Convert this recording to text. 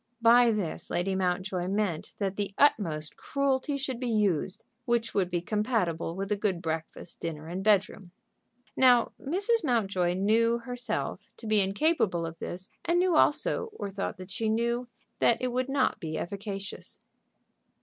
By this Lady Mountjoy meant that the utmost cruelty should be used which would be compatible with a good breakfast, dinner, and bedroom. Now, Mrs. Mountjoy knew herself to be incapable of this, and knew also, or thought that she knew, that it would not be efficacious.